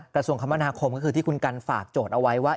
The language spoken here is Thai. กระทรวงคมนาคมก็คือที่คุณกันฝากโจทย์เอาไว้ว่า